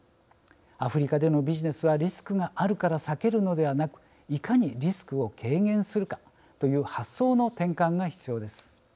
アフリカでのビジネスはリスクがあるから避けるのではなくいかにリスクを軽減するかという発想の転換が必要です。